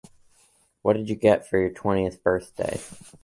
What did you get for your twentieth birthday?